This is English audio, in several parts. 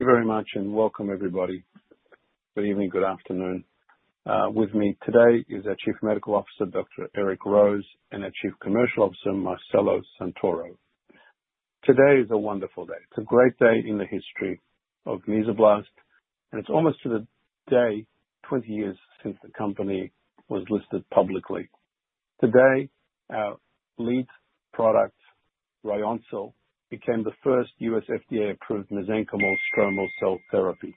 Thank you very much and welcome, everybody. Good evening, good afternoon. With me today is our Chief Medical Officer, Dr. Eric Rose, and our Chief Commercial Officer, Marcelo Santoro. Today is a wonderful day. It's a great day in the history of Mesoblast, and it's almost to the day 20 years since the company was listed publicly. Today, our lead product, Ryoncil, became the first U.S. FDA-approved mesenchymal stromal cell therapy.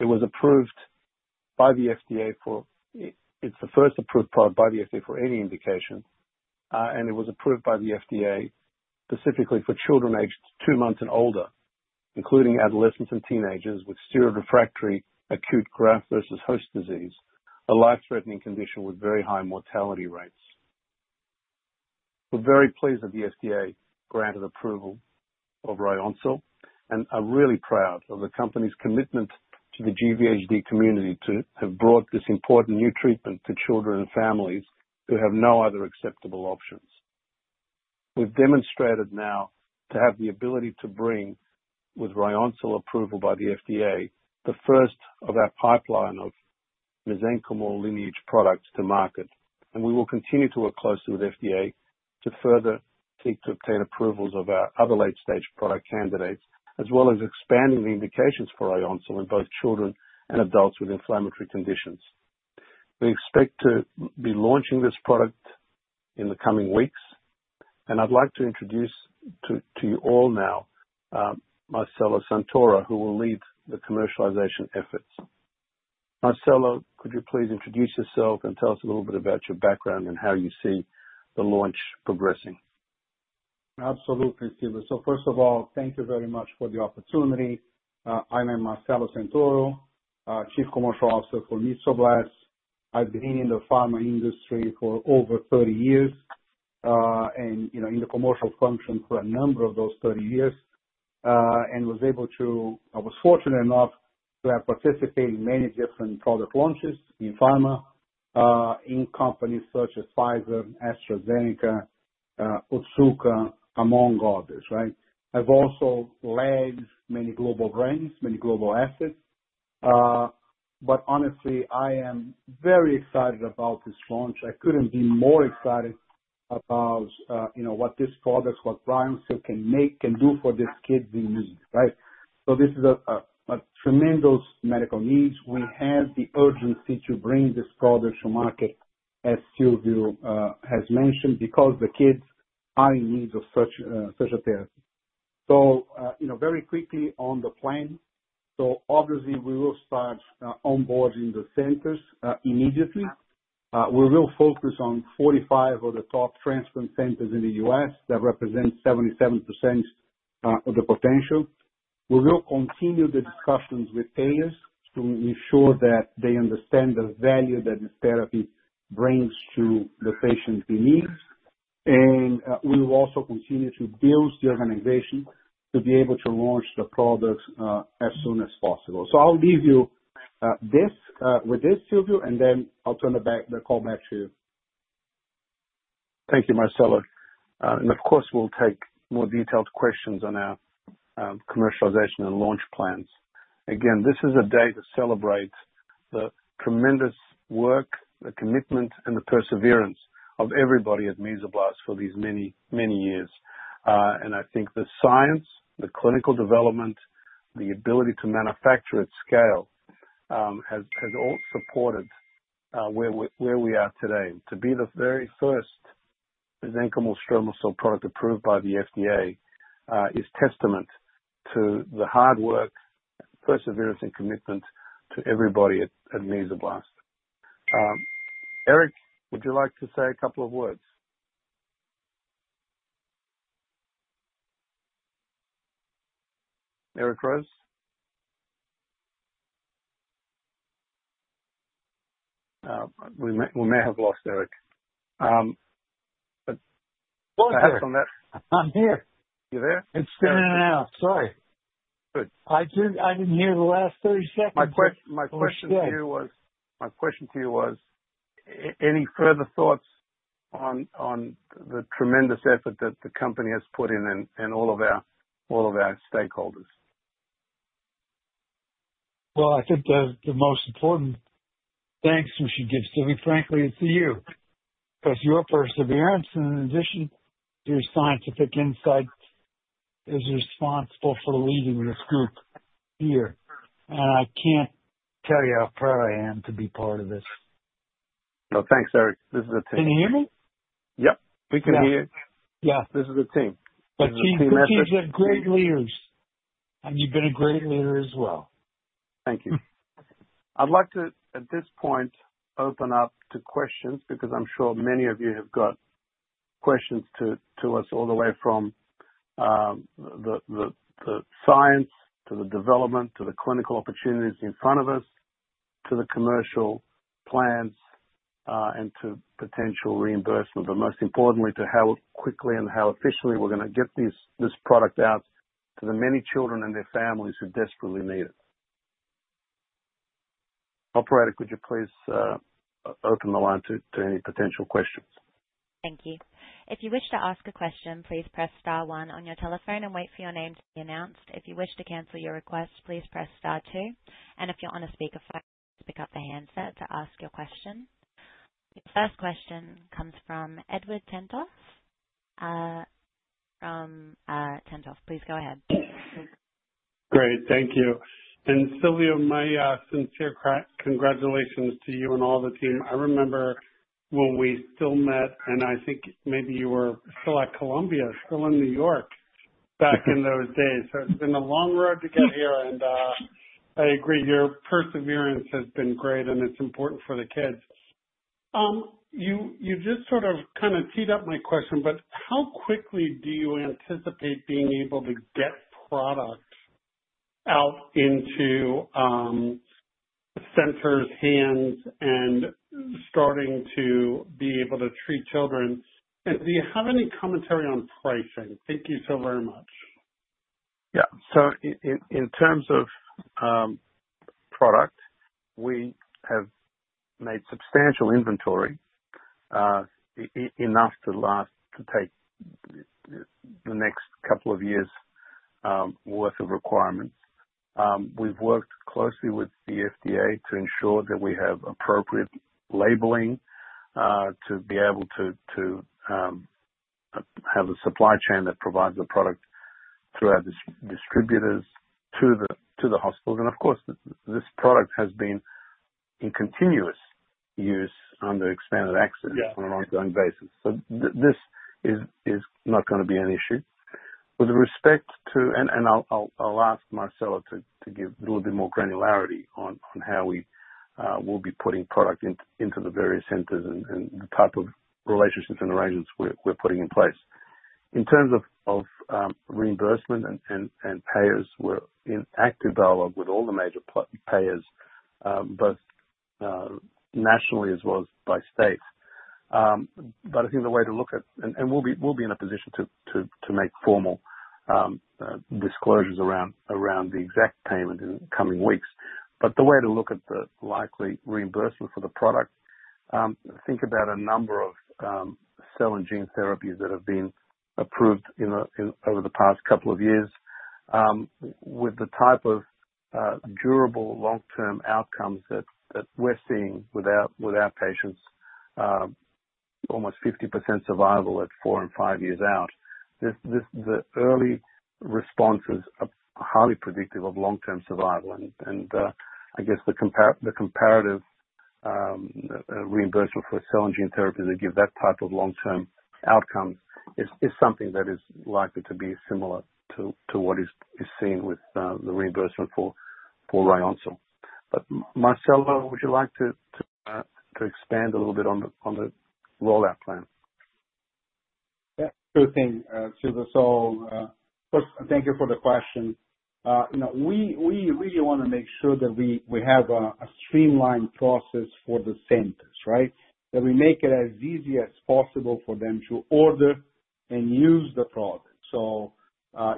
It was approved by the FDA for, it's the first approved product by the FDA for any indication, and it was approved by the FDA specifically for children aged two months and older, including adolescents and teenagers with steroid-refractory acute graft-versus-host disease, a life-threatening condition with very high mortality rates. We're very pleased that the FDA granted approval of Ryoncil, and I'm really proud of the company's commitment to the GVHD community to have brought this important new treatment to children and families who have no other acceptable options. We've demonstrated now to have the ability to bring, with Ryoncil approval by the FDA, the first of our pipeline of mesenchymal lineage products to market, and we will continue to work closely with the FDA to further seek to obtain approvals of our other late-stage product candidates, as well as expanding the indications for Ryoncil in both children and adults with inflammatory conditions. We expect to be launching this product in the coming weeks, and I'd like to introduce to you all now Marcelo Santoro, who will lead the commercialization efforts. Marcelo, could you please introduce yourself and tell us a little bit about your background and how you see the launch progressing? Absolutely, Silviu. First of all, thank you very much for the opportunity. I'm Marcelo Santoro, Chief Commercial Officer for Mesoblast. I've been in the pharma industry for over 30 years and in the commercial function for a number of those 30 years and was able to—I was fortunate enough to have participated in many different product launches in pharma, in companies such as Pfizer, AstraZeneca, Otsuka, among others, right? I've also led many global brands, many global assets, but honestly, I am very excited about this launch. I couldn't be more excited about what this product, what Ryoncil can make, can do for these kids in need, right? This is a tremendous medical need. We have the urgency to bring this product to market, as Silviu Itescu has mentioned, because the kids are in need of such a therapy. Very quickly on the plan, so obviously we will start onboarding the centers immediately. We will focus on 45 of the top transplant centers in the U.S. that represent 77% of the potential. We will continue the discussions with payers to ensure that they understand the value that this therapy brings to the patient's needs, and we will also continue to build the organization to be able to launch the products as soon as possible. I'll leave you with this, Silviu, and then I'll turn the call back to you. Thank you, Marcelo. Of course, we'll take more detailed questions on our commercialization and launch plans. Again, this is a day to celebrate the tremendous work, the commitment, and the perseverance of everybody at Mesoblast for these many, many years. I think the science, the clinical development, the ability to manufacture at scale has all supported where we are today. To be the very first mesenchymal stromal cell product approved by the FDA is testament to the hard work, perseverance, and commitment to everybody at Mesoblast. Eric, would you like to say a couple of words? Eric Rose? We may have lost Eric. What's up? I'm here. You there? It's still in and out. Sorry. Good. I didn't hear the last 30 seconds. My question to you was, any further thoughts on the tremendous effort that the company has put in and all of our stakeholders? I think the most important thanks we should give Silviu, frankly, is to you because your perseverance, in addition to your scientific insight, is responsible for leading this group here. I can't tell you how proud I am to be part of this. Thanks, Eric. This is a team. Can you hear me? Yep. We can hear you. Yeah. This is a team. But Silviu, you've been great leaders, and you've been a great leader as well. Thank you. I'd like to, at this point, open up to questions because I'm sure many of you have got questions to us all the way from the science to the development to the clinical opportunities in front of us to the commercial plans and to potential reimbursement, but most importantly, to how quickly and how efficiently we're going to get this product out to the many children and their families who desperately need it. Operator, could you please open the line to any potential questions? Thank you. If you wish to ask a question, please press star one on your telephone and wait for your name to be announced. If you wish to cancel your request, please press star two. If you're on a speakerphone, please pick up the handset to ask your question. The first question comes from Edward Tenthoff. Tenthoff, please go ahead. Great. Thank you, and Silviu, my sincere congratulations to you and all the team. I remember when we still met, and I think maybe you were still at Columbia, still in New York back in those days, so it's been a long road to get here, and I agree, your perseverance has been great, and it's important for the kids. You just sort of kind of teed up my question, but how quickly do you anticipate being able to get product out into centers, hands, and starting to be able to treat children? Do you have any commentary on pricing? Thank you so very much. Yeah. In terms of product, we have made substantial inventory, enough to take the next couple of years' worth of requirements. We've worked closely with the FDA to ensure that we have appropriate labeling to be able to have a supply chain that provides the product throughout the distributors to the hospitals. Of course, this product has been in continuous use under expanded access on an ongoing basis. This is not going to be an issue. With respect to, and I'll ask Marcelo to give a little bit more granularity on how we will be putting product into the various centers and the type of relationships and arrangements we're putting in place. In terms of reimbursement and payers, we're in active dialogue with all the major payers, both nationally as well as by state. But I think the way to look at, and we'll be in a position to make formal disclosures around the exact payment in the coming weeks, but the way to look at the likely reimbursement for the product. Think about a number of cell and gene therapies that have been approved over the past couple of years with the type of durable long-term outcomes that we're seeing with our patients, almost 50% survival at four and five years out. The early responses are highly predictive of long-term survival, and I guess the comparative reimbursement for cell and gene therapies that give that type of long-term outcomes is something that is likely to be similar to what is seen with the reimbursement for Ryoncil. But Marcelo, would you like to expand a little bit on the rollout plan? Yeah. Good thing, Steve. First, thank you for the question. We really want to make sure that we have a streamlined process for the centers, right? That we make it as easy as possible for them to order and use the product.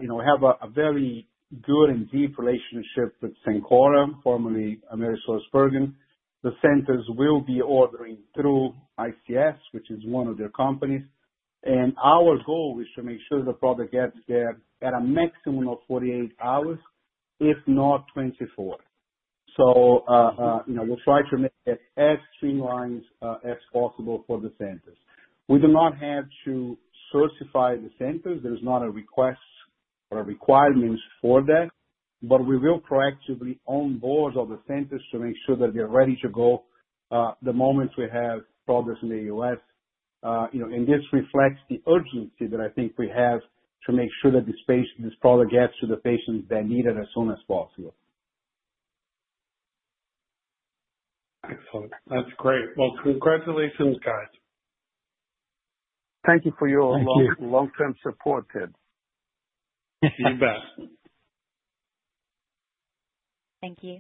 We have a very good and deep relationship with Cencora, formerly AmerisourceBergen. The centers will be ordering through ICS, which is one of their companies. Our goal is to make sure the product gets there at a maximum of 48 hours, if not 24. We'll try to make it as streamlined as possible for the centers. We do not have to certify the centers. There is not a request or a requirement for that, but we will proactively onboard all the centers to make sure that they're ready to go the moment we have products in the U.S. This reflects the urgency that I think we have to make sure that this product gets to the patients they need it as soon as possible. Excellent. That's great. Well, congratulations, guys. Thank you for your long-term support, Ted. Thank you. You bet. Thank you.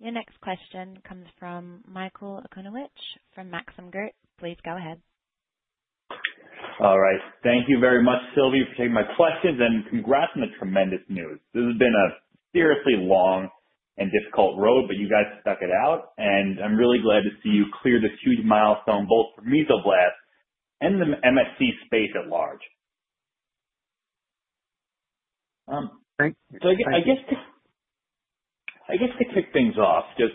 Your next question comes from Michael Okonowicz from Maxim Group. Please go ahead. All right. Thank you very much, Silviu, for taking my questions and congrats on the tremendous news. This has been a seriously long and difficult road, but you guys stuck it out, and I'm really glad to see you clear this huge milestone both for Mesoblast and the MSC space at large. Great. I guess to kick things off, just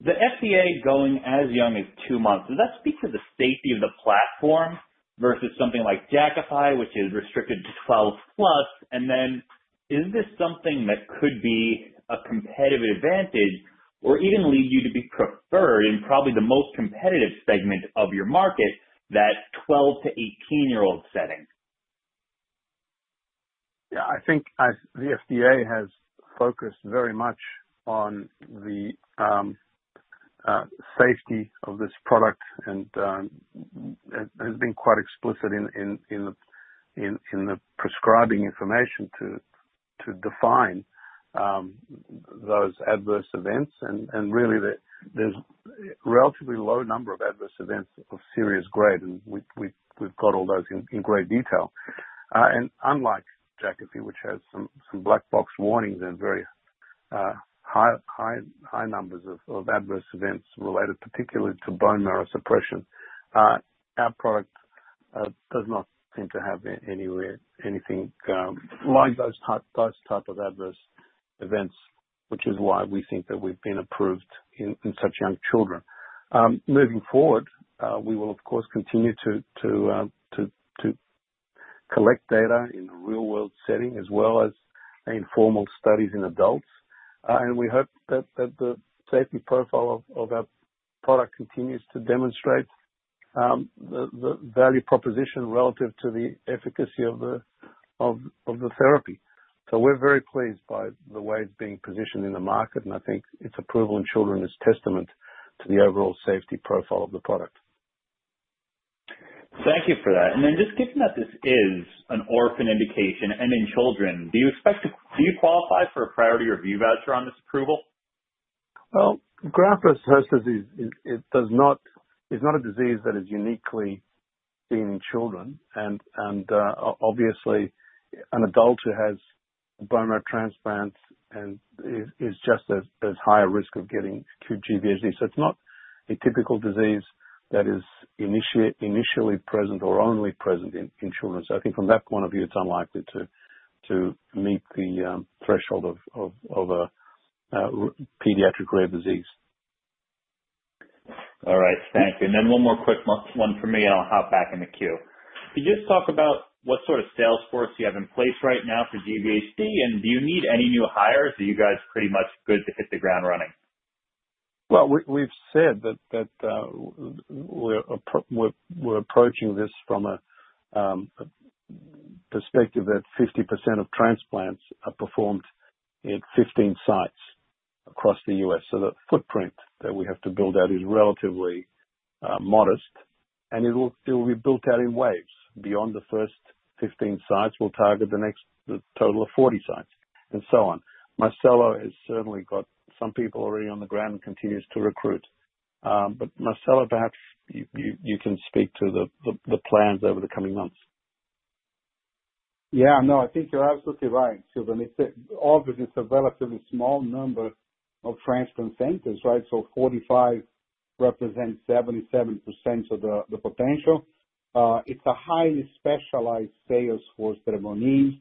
the FDA going as young as two months, does that speak to the safety of the platform versus something like Jakafi, which is restricted to 12+? Then is this something that could be a competitive advantage or even lead you to be preferred in probably the most competitive segment of your market, that 12 to 18-year-old setting? Yeah. I think the FDA has focused very much on the safety of this product and has been quite explicit in the prescribing information to define those adverse events. Really, there's a relatively low number of adverse events of serious grade, and we've got all those in great detail. Unlike Jakafi, which has some black box warnings and very high numbers of adverse events related particularly to bone marrow suppression, our product does not seem to have anything like those types of adverse events, which is why we think that we've been approved in such young children. Moving forward, we will, of course, continue to collect data in the real-world setting as well as informal studies in adults. We hope that the safety profile of our product continues to demonstrate the value proposition relative to the efficacy of the therapy. We're very pleased by the way it's being positioned in the market, and I think its approval in children is testament to the overall safety profile of the product. Thank you for that. Then just given that this is an orphan indication and in children, do you qualify for a priority review voucher on this approval? Graft-versus-host disease, it's not a disease that is uniquely seen in children. Obviously, an adult who has a bone marrow transplant is just as high a risk of getting acute GVHD. It's not a typical disease that is initially present or only present in children. I think from that point of view, it's unlikely to meet the threshold of a pediatric rare disease. All right. Thank you. Then one more quick one from me, and I'll hop back in the queue. Could you just talk about what sort of sales force you have in place right now for GVHD, and do you need any new hires? Are you guys pretty much good to hit the ground running? We've said that we're approaching this from a perspective that 50% of transplants are performed at 15 sites across the U.S. The footprint that we have to build out is relatively modest, and it will be built out in waves. Beyond the first 15 sites, we'll target the next total of 40 sites and so on. Marcelo has certainly got some people already on the ground and continues to recruit. But Marcelo, perhaps you can speak to the plans over the coming months. Yeah. No, I think you're absolutely right, Steve. Obviously, it's a relatively small number of transplant centers, right? 45 represents 77% of the potential. It's a highly specialized sales force that we'll need.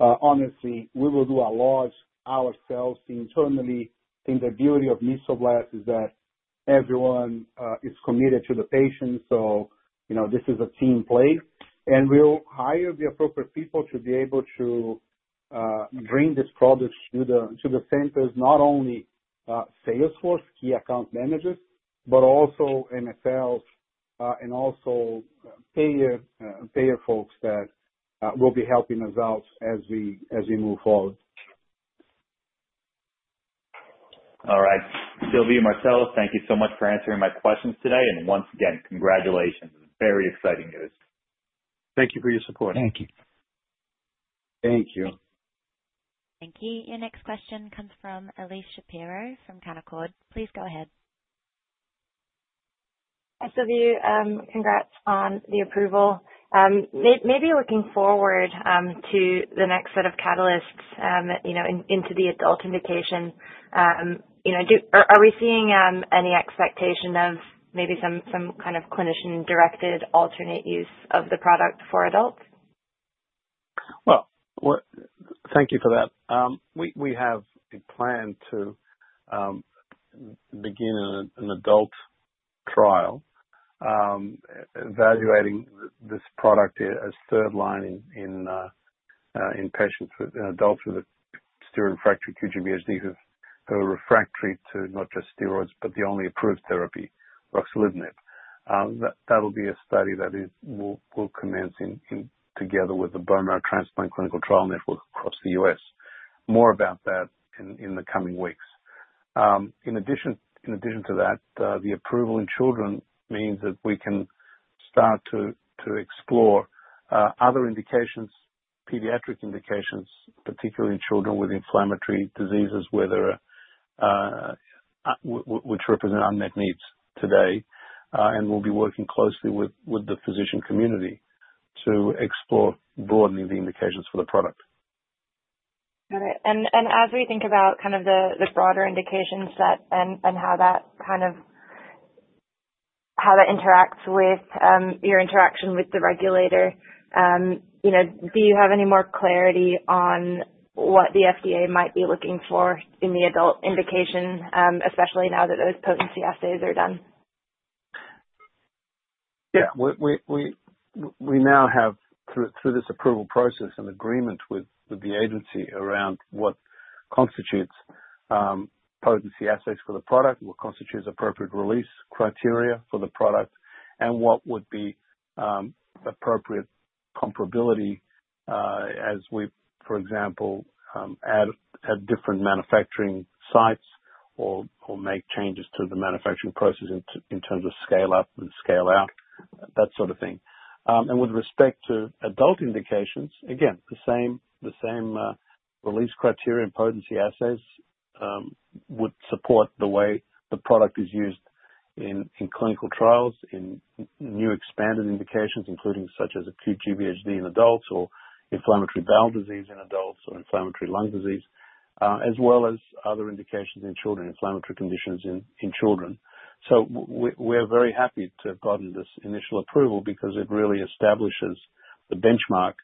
Honestly, we will do a lot ourselves internally. I think the beauty of Mesoblast is that everyone is committed to the patient. This is a team play. We'll hire the appropriate people to be able to bring this product to the centers, not only sales force, key account managers, but also MSLs and also payer folks that will be helping us out as we move forward. All right. Silviu and Marcelo, thank you so much for answering my questions today. Once again, congratulations. Very exciting news. Thank you for your support. Thank you. Thank you. Thank you. Your next question comes from Elyse Shapiro from Canaccord Genuity. Please go ahead. Silviu, congrats on the approval. Maybe looking forward to the next set of catalysts into the adult indication, are we seeing any expectation of maybe some kind of clinician-directed alternate use of the product for adults? Thank you for that. We have a plan to begin an adult trial evaluating this product as third-line in adult patients with steroid-refractory GVHD who are refractory to not just steroids, but the only approved therapy, ruxolitinib. That will be a study that we'll commence together with the Blood and Marrow Transplant Clinical Trials Network across the U.S. More about that in the coming weeks. In addition to that, the approval in children means that we can start to explore other indications, pediatric indications, particularly in children with inflammatory diseases which represent unmet needs today. We'll be working closely with the physician community to explore broadening the indications for the product. Got it. As we think about kind of the broader indication set and how that kind of how that interacts with your interaction with the regulator, do you have any more clarity on what the FDA might be looking for in the adult indication, especially now that those potency assays are done? Yeah. We now have, through this approval process, an agreement with the agency around what constitutes potency assays for the product, what constitutes appropriate release criteria for the product, and what would be appropriate comparability as we, for example, add different manufacturing sites or make changes to the manufacturing process in terms of scale up and scale out, that sort of thing. With respect to adult indications, again, the same release criteria and potency assays would support the way the product is used in clinical trials in new expanded indications, including such as acute GVHD in adults or inflammatory bowel disease in adults or inflammatory lung disease, as well as other indications in children, inflammatory conditions in children. We're very happy to have gotten this initial approval because it really establishes the benchmark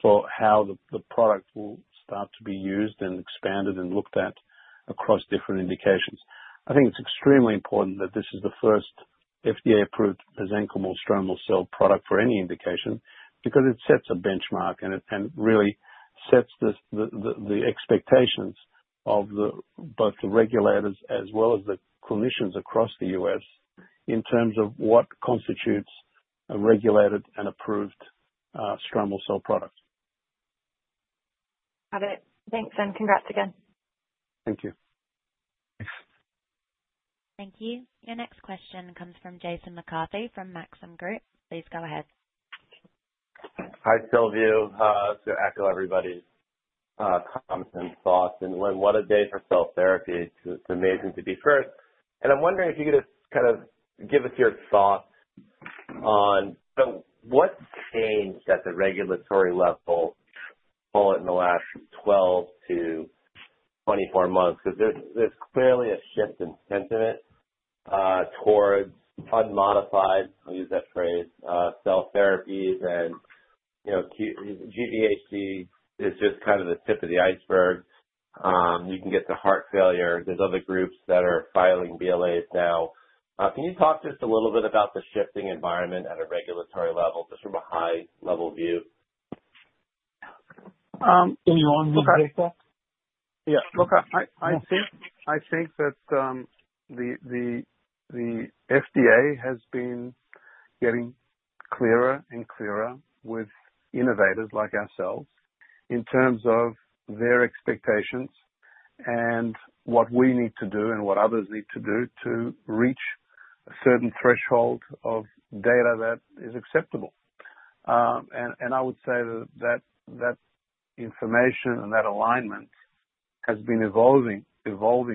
for how the product will start to be used and expanded and looked at across different indications. I think it's extremely important that this is the first FDA-approved mesenchymal stromal cell product for any indication because it sets a benchmark and really sets the expectations of both the regulators as well as the clinicians across the U.S. in terms of what constitutes a regulated and approved stromal cell product. Got it. Thanks and congrats again. Thank you. Thanks. Thank you. Your next question comes from Jason McCarthy from Maxim Group. Please go ahead. Hi, Silviu. Hello, everybody. Thanks, and thanks. What a day for cell therapy. It's amazing to be first. I'm wondering if you could just kind of give us your thoughts on what's changed at the regulatory level in the last 12 to 24 months because there's clearly a shift in sentiment towards unmodified, I'll use that phrase, cell therapies. GVHD is just kind of the tip of the iceberg. You can get to heart failure. There's other groups that are filing BLAs now. Can you talk just a little bit about the shifting environment at a regulatory level, just from a high-level view? Anyone need data? Yeah. Look, I think that the FDA has been getting clearer and clearer with innovators like ourselves in terms of their expectations and what we need to do and what others need to do to reach a certain threshold of data that is acceptable, and I would say that that information and that alignment has been evolving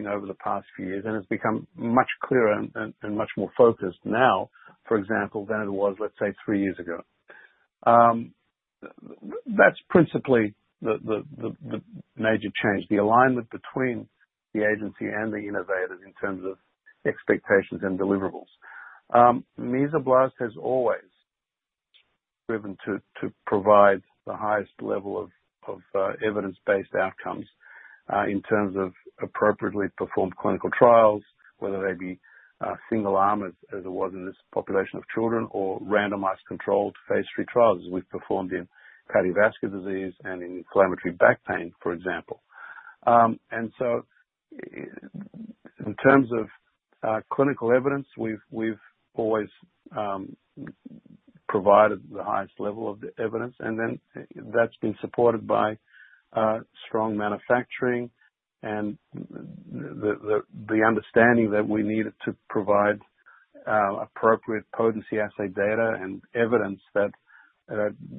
over the past few years, and it's become much clearer and much more focused now, for example, than it was, let's say, three years ago. That's principally the major change, the alignment between the agency and the innovators in terms of expectations and deliverables. Mesoblast has always driven to provide the highest level of evidence-based outcomes in terms of appropriately performed clinical trials, whether they be single arm as it was in this population of children or randomized controlled phase three trials as we've performed in cardiovascular disease and in inflammatory back pain, for example. In terms of clinical evidence, we've always provided the highest level of evidence. Then that's been supported by strong manufacturing and the understanding that we needed to provide appropriate potency assay data and evidence that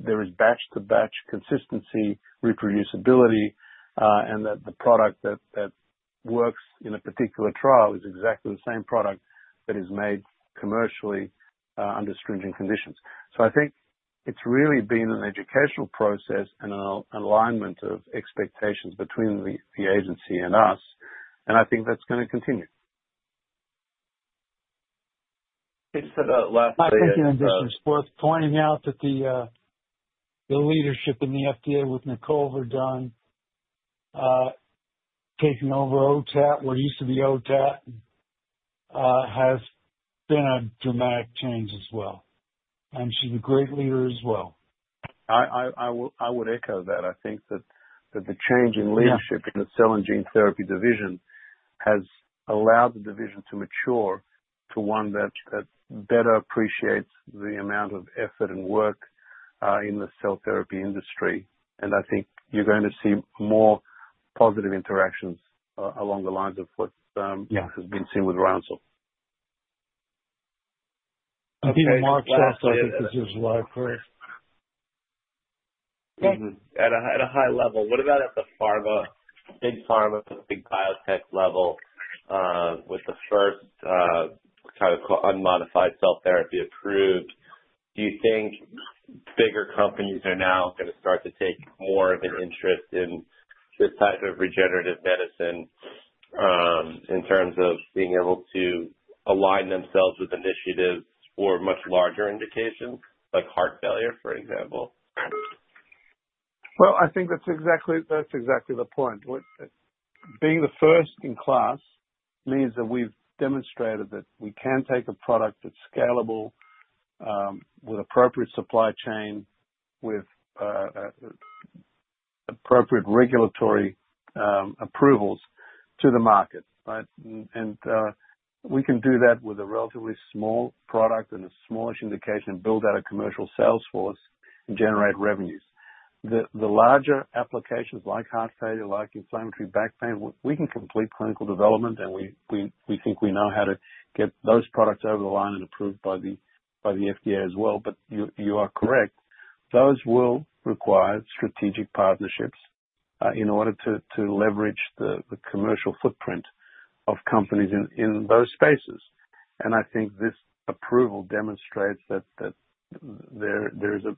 there is batch-to-batch consistency, reproducibility, and that the product that works in a particular trial is exactly the same product that is made commercially under stringent conditions. I think it's really been an educational process and an alignment of expectations between the agency and us. I think that's going to continue. Just for the last. My thank you in addition. Worth pointing out that the leadership in the FDA with Nicole Verdun, taking over OTAT, what used to be OTAT, has been a dramatic change as well, and she's a great leader as well. I would echo that. I think that the change in leadership in the cell and gene therapy division has allowed the division to mature to one that better appreciates the amount of effort and work in the cell therapy industry. I think you're going to see more positive interactions along the lines of what has been seen with Ryoncil. I think Peter Marks is as well. At a high level, what about at the big pharma and big biotech level with the first kind of unmodified cell therapy approved? Do you think bigger companies are now going to start to take more of an interest in this type of regenerative medicine in terms of being able to align themselves with initiatives for much larger indications, like heart failure, for example? I think that's exactly the point. Being the first in class means that we've demonstrated that we can take a product that's scalable with appropriate supply chain, with appropriate regulatory approvals to the market, and we can do that with a relatively small product and a smallish indication and build out a commercial sales force and generate revenues. The larger applications like heart failure, like inflammatory back pain, we can complete clinical development, and we think we know how to get those products over the line and approved by the FDA as well, but you are correct. Those will require strategic partnerships in order to leverage the commercial footprint of companies in those spaces. I think this approval demonstrates that there is a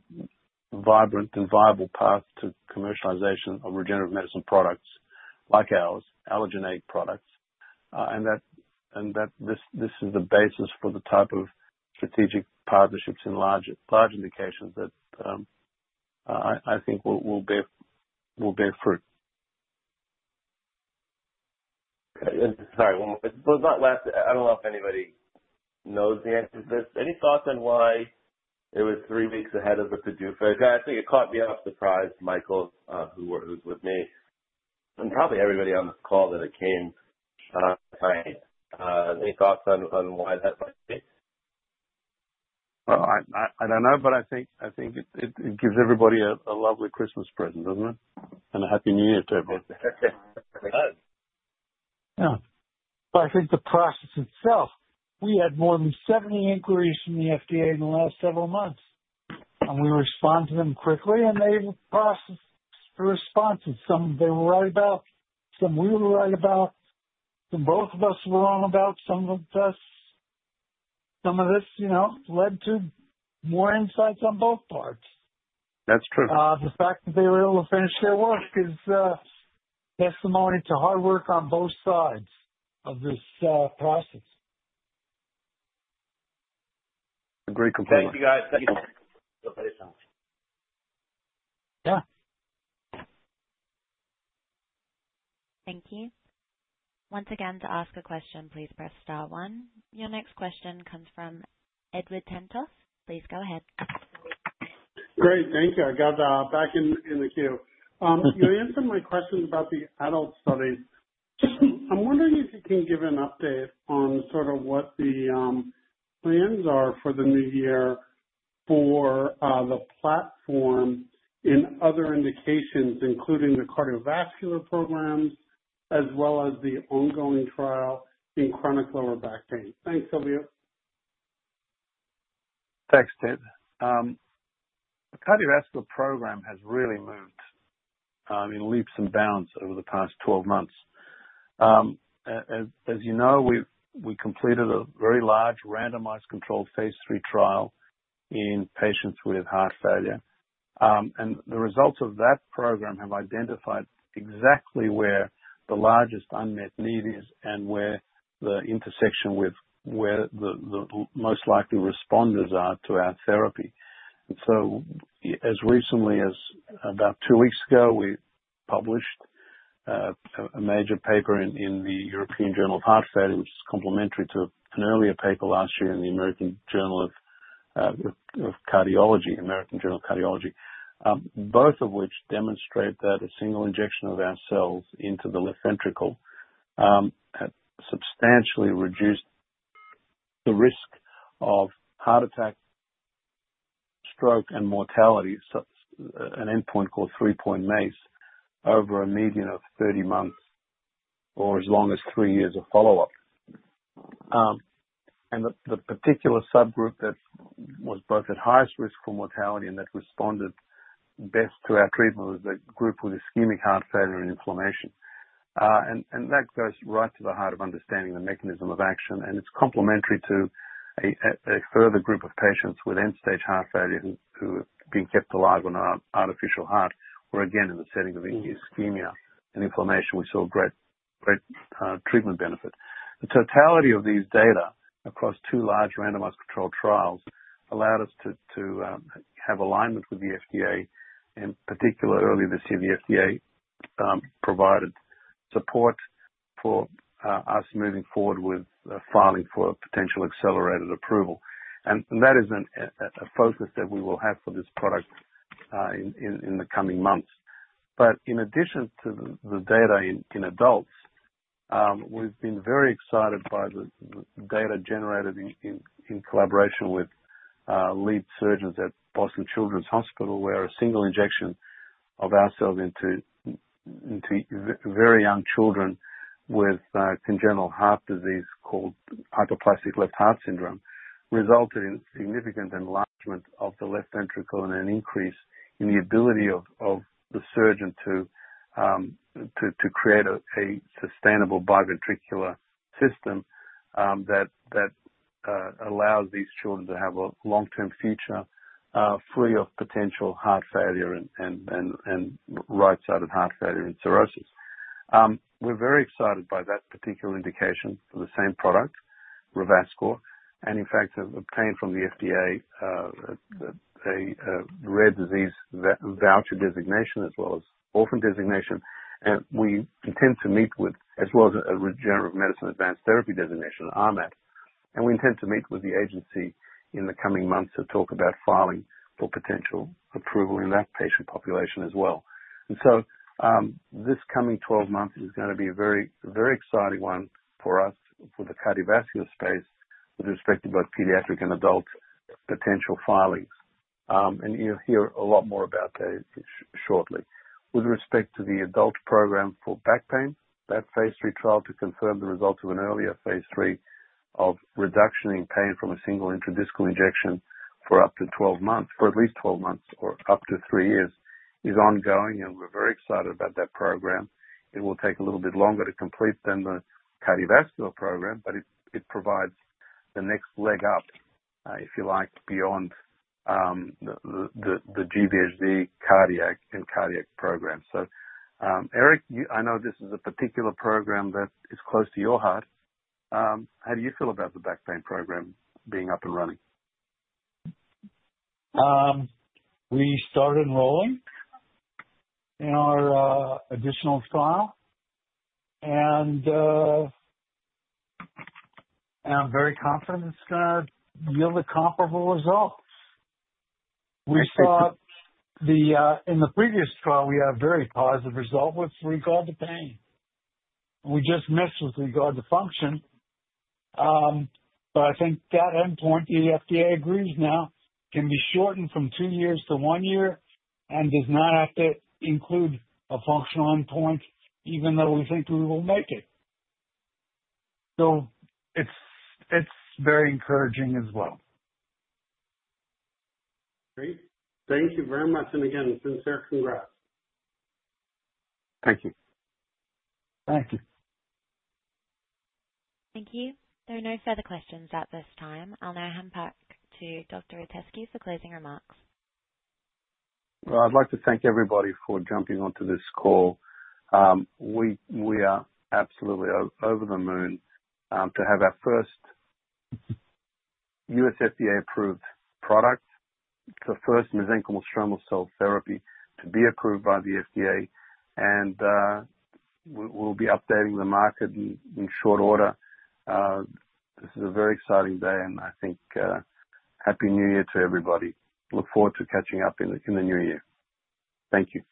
vibrant and viable path to commercialization of regenerative medicine products like ours, allogeneic products, and that this is the basis for the type of strategic partnerships and large indications that I think will bear fruit. Sorry. One more question. I don't know if anybody knows the answer to this. Any thoughts on why it was three weeks ahead of the PDUFA? I think it caught me by surprise, Michael, who's with me, and probably everybody on this call that it came tonight. Any thoughts on why that might be? Well, I don't know, but I think it gives everybody a lovely Christmas present, doesn't it? A Happy New Year to everybody. Yeah. I think the process itself. We had more than 70 inquiries from the FDA in the last several months. We responded to them quickly, and they were responsive. Some, they were right about. Some, we were right about. Some, both of us were wrong about. Some of us. Some of this led to more insights on both parts. That's true. The fact that they were able to finish their work is testimony to hard work on both sides of this process. A great compliment. Thank you, guys. Thank you. Yeah. Thank you. Once again, to ask a question, please press star one. Your next question comes from Edward Tenthoff. Please go ahead. Great. Thank you. I got back in the queue. You answered my question about the adult studies. I'm wondering if you can give an update on sort of what the plans are for the new year for the platform and other indications, including the cardiovascular programs as well as the ongoing trial in chronic lower back pain? Thanks, Silviu. Thanks, David. The cardiovascular program has really moved in leaps and bounds over the past 12 months. As you know, we completed a very large randomized controlled phase three trial in patients with heart failure. The results of that program have identified exactly where the largest unmet need is and where the intersection with where the most likely responders are to our therapy. As recently as about two weeks ago, we published a major paper in the European Journal of Heart Failure, which is complementary to an earlier paper last year in the American Journal of Cardiology, both of which demonstrate that a single injection of our cells into the left ventricle substantially reduced the risk of heart attack, stroke, and mortality, an endpoint called three-point MACE, over a median of 30 months or as long as three years of follow-up. The particular subgroup that was both at highest risk for mortality and that responded best to our treatment was the group with ischemic heart failure and inflammation. That goes right to the heart of understanding the mechanism of action. It's complementary to a further group of patients with end-stage heart failure who have been kept alive on an artificial heart where, again, in the setting of ischemia and inflammation, we saw great treatment benefit. The totality of these data across two large randomized controlled trials allowed us to have alignment with the FDA. In particular, earlier this year, the FDA provided support for us moving forward with filing for potential accelerated approval. That is a focus that we will have for this product in the coming months. But in addition to the data in adults, we've been very excited by the data generated in collaboration with lead surgeons at Boston Children's Hospital, where a single injection of our cells into very young children with congenital heart disease called hypoplastic left heart syndrome resulted in significant enlargement of the left ventricle and an increase in the ability of the surgeon to create a sustainable biventricular system that allows these children to have a long-term future free of potential heart failure and right-sided heart failure and cirrhosis. We're very excited by that particular indication for the same product, Revascor, and in fact, have obtained from the FDA a rare disease voucher designation as well as orphan designation. We intend to meet with, as well as a regenerative medicine advanced therapy designation, RMAT. We intend to meet with the agency in the coming months to talk about filing for potential approval in that patient population as well. This coming 12 months is going to be a very exciting one for us for the cardiovascular space with respect to both pediatric and adult potential filings. You'll hear a lot more about that shortly. With respect to the adult program for back pain, that phase three trial to confirm the results of an earlier phase three of reduction in pain from a single intradiscal injection for up to 12 months, for at least 12 months or up to three years, is ongoing. We're very excited about that program. It will take a little bit longer to complete than the cardiovascular program, but it provides the next leg up, if you like, beyond the GVHD cardiac and cardiac program. Eric, I know this is a particular program that is close to your heart. How do you feel about the back pain program being up and running? We started enrolling in our additional trial, and I'm very confident it's going to yield a comparable result. We saw in the previous trial. We had a very positive result with regard to pain. We just missed with regard to function, but I think that endpoint, the FDA agrees now, can be shortened from two years to one year and does not have to include a functional endpoint, even though we think we will make it, so it's very encouraging as well. Great. Thank you very much, and again, sincere congrats. Thank you. Thank you. Thank you. There are no further questions at this time. I'll now hand back to Dr. Itescu for closing remarks. I'd like to thank everybody for jumping onto this call. We are absolutely over the moon to have our first U.S. FDA-approved product. It's the first mesenchymal stromal cell therapy to be approved by the FDA. We'll be updating the market in short order. This is a very exciting day. I think Happy New Year to everybody. Look forward to catching up in the new year. Thank you.